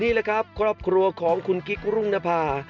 นี่แหละครับครอบครัวของคุณกิ๊กรุ่งนภา